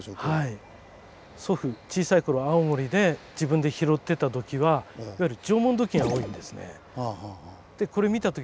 祖父小さい頃青森で自分で拾ってた土器はいわゆる縄文土器が多いんですね。